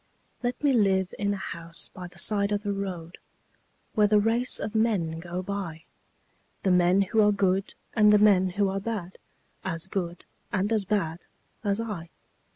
Let me live in a house by the side of the road Where the race of men go by The men who are good and the men who are bad, As good and as bad as I.